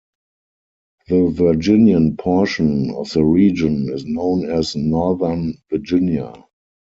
The Virginian portion of the region is known as Northern Virginia.